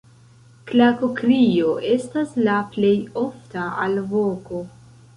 Klakokrio estas la plej ofta alvoko.